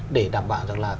để đảm bảo rằng là